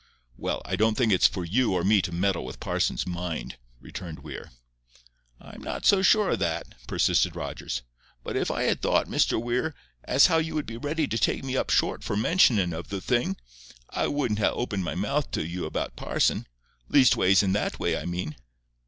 "Well, I don't think it's for you or me to meddle with parson's mind," returned Weir. "I'm not so sure o' that," persisted Rogers. "But if I had thought, Mr Weir, as how you would be ready to take me up short for mentionin' of the thing, I wouldn't ha' opened my mouth to you about parson—leastways, in that way, I mean."